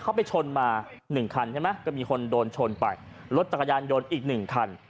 เขาไปชนมาหนึ่งคันใช่ไหมก็มีคนโดนชนไปรถจักรยานยนต์อีกหนึ่งคัน